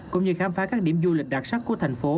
cũng như khám phá các điểm du lịch đặc sắc của thành phố